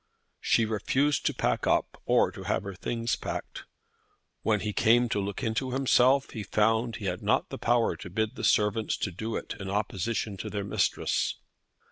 She refused to pack up, or to have her things packed. When he came to look into himself, he found that he had not power to bid the servants do it in opposition to their mistress.